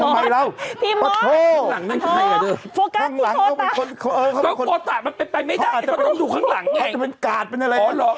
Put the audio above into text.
พี่มอตโฮตะโฮตะมันไปไม่ได้เธอต้องดูข้างหลังไงมันกาดเป็นอะไร